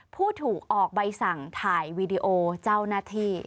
ผู้ถูกออกใบสั่งถ่ายวีดีโอเจ้าหน้าที่